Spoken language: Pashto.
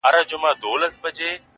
چي ښکلي سترګي ستا وویني ـ